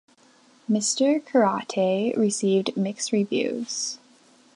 Mr. Karate received mixed reviews.